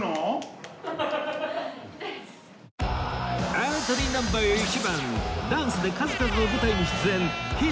エントリーナンバー１番ダンスで数々の舞台に出演ヒサ・オグラ！